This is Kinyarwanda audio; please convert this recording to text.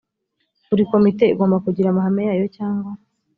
buri komite igomba kugira amahame yayo cyangwa